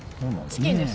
チキンです。